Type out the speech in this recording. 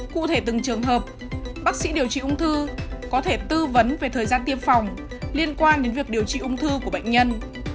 cụ thể từng trường hợp bác sĩ điều trị ung thư có thể tư vấn về thời gian tiêm phòng liên quan đến việc điều trị ung thư của bệnh nhân